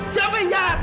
siapa yang jahat